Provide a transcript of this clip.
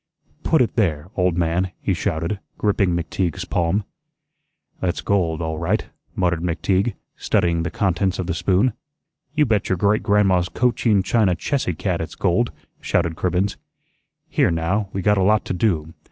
"PUT it there, old man," he shouted, gripping McTeague's palm. "That's gold, all right," muttered McTeague, studying the contents of the spoon. "You bet your great grandma's Cochin China Chessy cat it's gold," shouted Cribbens. "Here, now, we got a lot to do.